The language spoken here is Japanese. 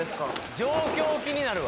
状況気になるわ